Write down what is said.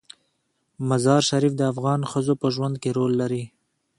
مزارشریف د افغان ښځو په ژوند کې رول لري.